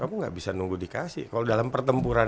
kamu gak bisa nunggu dikasih kalo dalam pertempuran